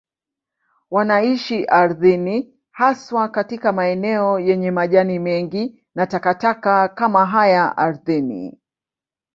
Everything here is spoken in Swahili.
Wanaishi ardhini, haswa katika maeneo yenye majani mengi na takataka kama haya ardhini.